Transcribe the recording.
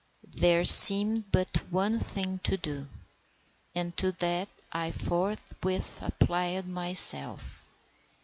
There seemed but one thing to do, and to that I forthwith applied myself.